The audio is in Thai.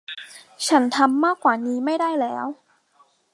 ฉันทำมากกว่านี้ไม่ได้แล้ว